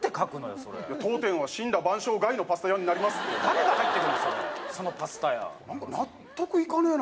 それ「当店は森羅万象外の」「パスタ屋になります」って誰が入って来んのそのパスタ屋なんか納得いかねえな